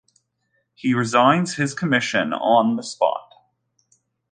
He resigns his commission on the spot.